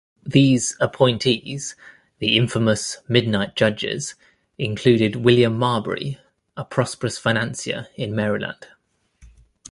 These appointees, the infamous "Midnight Judges", included William Marbury, a prosperous financier in Maryland.